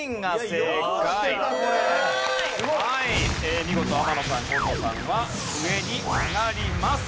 はい見事天野さん紺野さんは上に上がります。